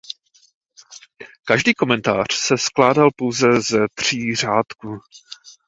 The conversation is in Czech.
Každý komentář se skládal pouze ze tří řádků.